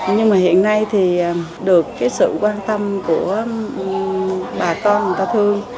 nhưng mà hiện nay thì được cái sự quan tâm của bà con người ta thương